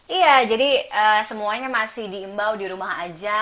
iya jadi semuanya masih diimbau di rumah aja